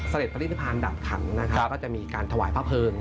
เสร็จผลิตภัณฑ์ดับขังนะครับก็จะมีการถวายพระเพิง